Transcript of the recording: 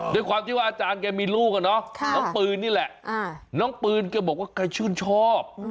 ด้วยความที่ว่าอาจารย์แกมีลูกอะเนาะน้องปืนนี่แหละน้องปืนแกบอกว่าแกชื่นชอบ